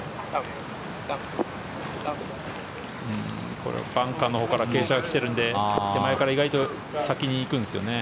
これはバンカーのほうから傾斜が来ているので手前から意外と先に行くんですよね。